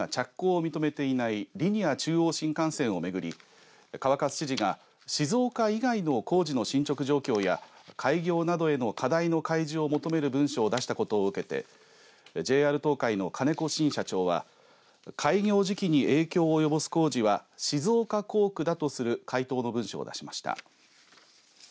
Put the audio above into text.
静岡県が着工を認めていないリニア中央新幹線を巡り川勝知事が静岡以外の工事の進捗状況や開業などへの課題の開示を求める文書を出したことを受けてＪＲ東海の金子慎社長は開業時期に影響を及ぼす工事は静岡港区だとする回答の文書を出しました。